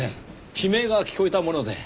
悲鳴が聞こえたもので。